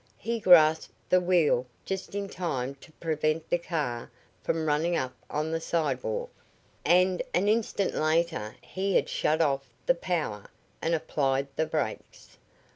He grasped the wheel just in time to prevent the car from running up on the sidewalk, and an instant later he had shut off the power and applied the brakes.